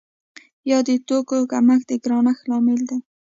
یا د توکو کمښت د ګرانښت لامل دی؟